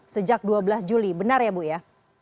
sejak dua belas juli benar ya bu ya